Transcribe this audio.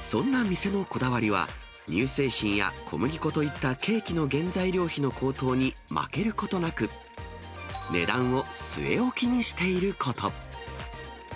そんな店のこだわりは、乳製品や小麦粉といったケーキの原材料費の高騰に負けることなく、値段を据え置きにしていること。